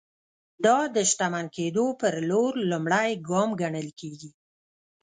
دا د شتمن کېدو پر لور لومړی ګام ګڼل کېږي.